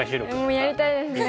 もうやりたいですね。